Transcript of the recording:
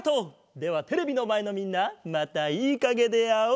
ではテレビのまえのみんなまたいいかげであおう！